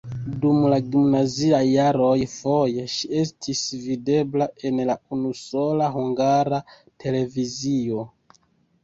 Dum la gimnaziaj jaroj foje ŝi estis videbla en la unusola Hungara Televizio.